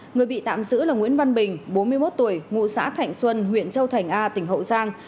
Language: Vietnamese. người bị tạm giữ là nguyễn văn bình bốn mươi một tuổi ngụ xã thạnh xuân huyện châu thành a tỉnh hậu giang